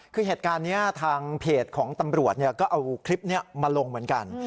คือเหตุการณ์นี้ทางเพจของตำรวจก็เอาคลิปนี้มาลงเหมือนกัน